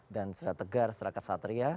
dan setegar setakat satria